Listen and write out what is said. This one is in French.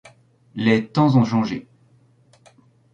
Les temps ont changé.